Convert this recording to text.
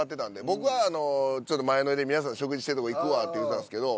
僕はあの「ちょっと前乗りで皆さんと食事してるとこ行くわ」って言うたんですけど。